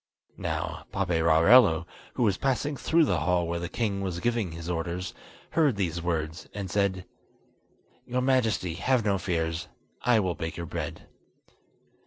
Now Paperarello, who was passing through the hall where the king was giving his orders, heard these words, and said: "Your Majesty, have no fears; I will bake your bread."